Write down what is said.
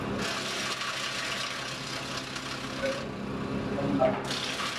Fue en su etapa universitaria cuando se inició en la política.